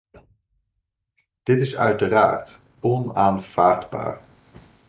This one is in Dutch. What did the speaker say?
Dit is uiteraard onaanvaardbaar.